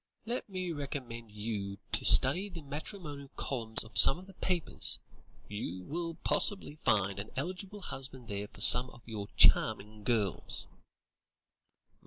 "Let me recommend you to study the matrimonial columns of some of the papers. You will possibly find an eligible husband there for some of your charming girls."